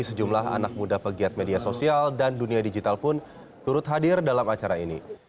sejumlah anak muda pegiat media sosial dan dunia digital pun turut hadir dalam acara ini